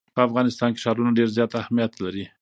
په افغانستان کې ښارونه ډېر زیات اهمیت لري.